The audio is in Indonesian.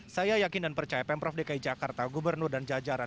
saya yakin dan percaya pemprov dki jakarta gubernur dan jajaran